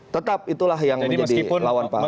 tetap itulah yang menjadi lawan pak ahok